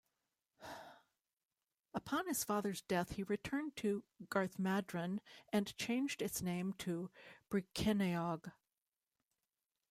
Upon his father's death, he returned to Garthmadrun and changed its name to Brycheiniog.